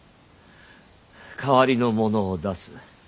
代わりの者を出す。